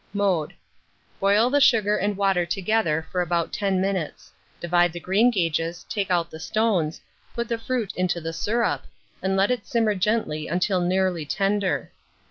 Mode. Boil the sugar and water together for about 10 minutes; divide the greengages, take out the stones, put the fruit into the syrup, and let it simmer gently until nearly tender.